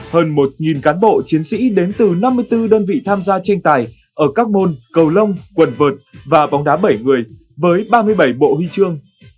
hơn một cán bộ chiến sĩ đến từ năm mươi bốn đơn vị tham gia tranh tài ở các môn cầu lông quần vợt và bóng đá bảy người với ba mươi bảy bộ huy chương